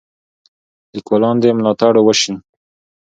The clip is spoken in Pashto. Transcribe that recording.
لیکوالان دې ملاتړ وسي.